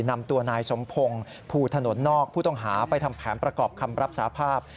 นำตัวนายสมพงศ์ภูถนนนอกผู้ต้องหาไปทำแผนประกอบคำรับสาภาพ